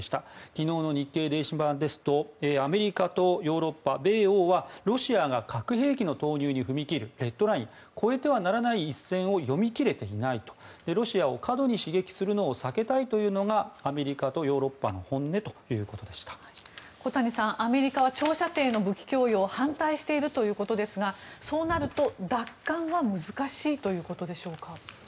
昨日の日経電子版ですとアメリカとヨーロッパ米欧はロシアが核兵器の投入に踏み切るレッドライン越えてはならない一線を読み切れていないとロシアを過度に刺激するのを避けたいというのがアメリカとヨーロッパの小谷さん、アメリカは長射程の武器供与を反対しているということですがそうなると奪還は難しいということでしょうか。